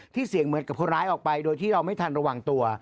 เสียงเหมือนกับคนร้ายออกไปโดยที่เราไม่ทันระวังตัว